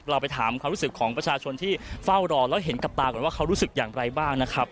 เราไปถามความรู้สึกของประชาชนที่เฝ้ารอแล้วเห็นกับตาก่อนว่าเขารู้สึกอย่างไรบ้างนะครับ